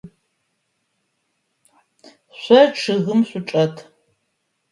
Шъо чъыгым шъучӏэт.